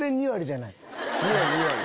２割２割！